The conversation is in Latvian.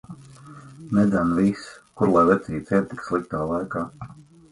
Nedzen vis! Kur lai vecītis iet tik sliktā laika.